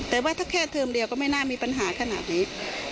แต่ว่าถ้าแค่เทอมเดียวก็ไม่น่ามีปัญหาขนาดนี้